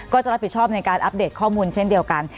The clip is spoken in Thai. ก็จะรับผิดชอบในการอัปเดตข้อมูลเช่นเดียวกัน